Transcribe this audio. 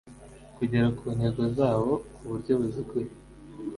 kugera ku ntego zawo ku buryo buziguye